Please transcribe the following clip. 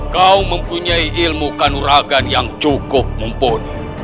kau mempunyai ilmu kanuragan yang cukup mumpuni